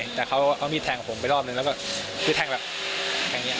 ว่ามีดมาจากที่ไหนแต่เค้ามีดแทง่ผมไปรอบนึงแล้วที่แทงคือแบบอย่างนี้ครับ